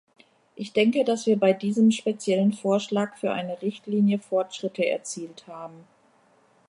Ich denke, dass wir bei diesem speziellen Vorschlag für eine Richtlinie Fortschritte erzielt haben.